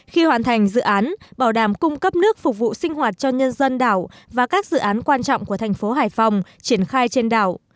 khi hoàn thành dự án bảo đảm cung cấp nước phục vụ sinh hoạt cho nhân dân đảo và các dự án quan trọng của thành phố hải phòng triển khai trên đảo